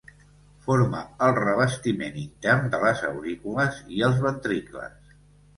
Forma el revestiment intern de les aurícules i els ventricles.